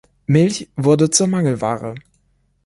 Milch wurde zur Mangelware.